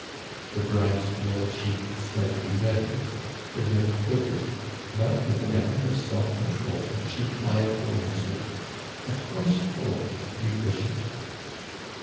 The bride's pale cheek slightly reddened, her lip quivered, but with an effort of self control she quietly answered : "Of course, Paul, if you wish it."